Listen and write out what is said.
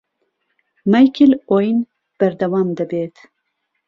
مایکل ئۆین بهردهوام دهبێت